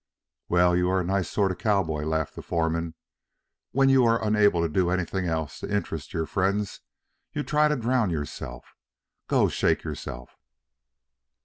"Well, you are a nice sort of cowboy," laughed the foreman. "When you are unable to do anything else to interest your friends, you try to drown yourself. Go, shake yourself!"